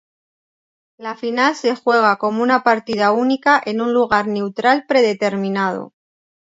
La final se juega como una partida única en un lugar neutral predeterminado.